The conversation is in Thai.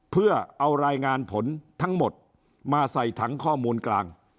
เพื่อเอารายงานผลทั้งหมดมาใส่ถังข้อมูลกลาง